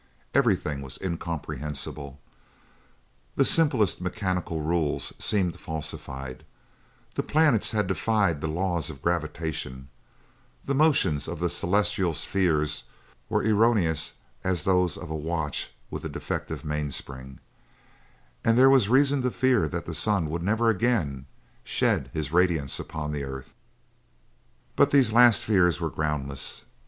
Everything was incomprehensible. The simplest mechanical rules seemed falsified; the planets had defied the laws of gravitation; the motions of the celestial spheres were erroneous as those of a watch with a defective mainspring, and there was reason to fear that the sun would never again shed his radiance upon the earth. But these last fears were groundless.